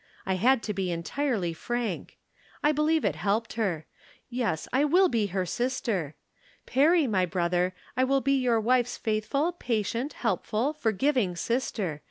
I had to be entirely frank. I believe it helped her. Yes, I will be her sister. Perry, my brother, I will be your wife's faithful, patient, helpful, forgiving sister.